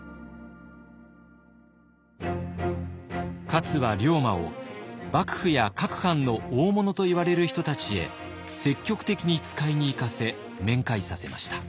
勝は龍馬を幕府や各藩の大物といわれる人たちへ積極的に使いに行かせ面会させました。